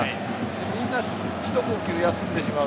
みんなひと呼吸休んでしまう。